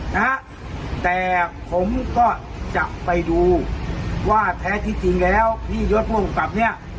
นะฮะแต่ผมก็จะไปดูว่าแท้ที่จริงแล้วพี่ยศผู้กำกับเนี้ย